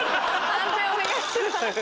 判定お願いします。